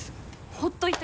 ほっといて。